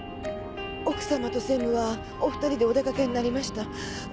奥様と専務はお二人でお出かけになりました。